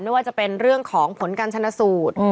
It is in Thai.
ไม่ว่าจะเป็นเรื่องของผลการชนะสูตร